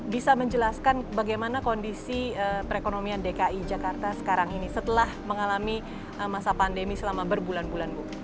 bisa menjelaskan bagaimana kondisi perekonomian dki jakarta sekarang ini setelah mengalami masa pandemi selama berbulan bulan bu